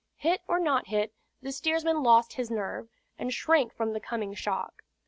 Hit or not hit, the steersman lost his nerve, and shrank from the coming shock.